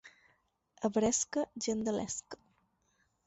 A Bresca, gent de l'esca.